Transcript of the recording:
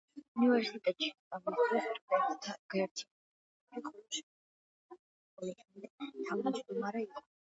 უნივერსიტეტში სწავლის დროს, სტუდენტთა გაერთიანების წევრი, ხოლო შემდეგ თავმჯდომარე იყო.